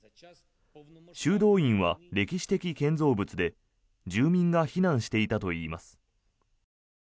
修道院は歴史的建造物で住民が避難していたといいます。